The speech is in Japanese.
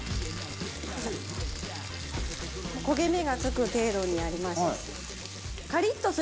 焦げ目がつく程度にやります。